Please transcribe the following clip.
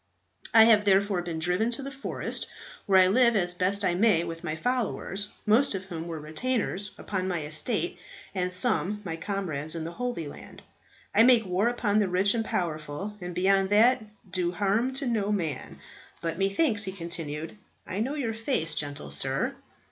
I have therefore been driven to the forest, where I live as best I may with my followers, most of whom were retainers upon my estate, and some my comrades in the Holy Land. I make war upon the rich and powerful, and beyond that do harm to no man. But, methinks," he continued, "I know your face, gentle sir."